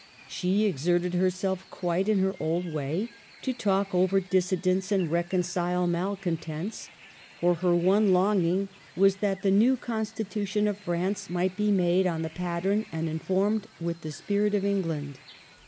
She exerted herself quite in her old way to talk over dissidents and reconcile malcon tents ; for her one longing was that the new con stitution of France might be made on the pattern and informed with the spirit of England.